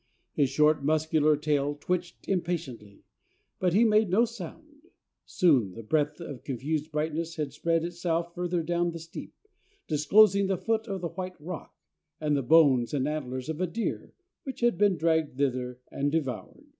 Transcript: His short, muscular tail twitched impatiently, but he made no sound. Soon the breadth of confused brightness had spread itself further down the steep, disclosing the foot of the white rock, and the bones and antlers of a deer which had been dragged thither and devoured.